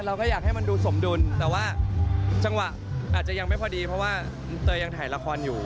เราก็อยากให้มันดูสมดุลแต่ว่าจังหวะอาจจะยังไม่พอดีเพราะว่าเตยยังถ่ายละครอยู่